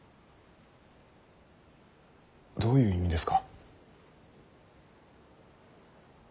どういう意味ですか。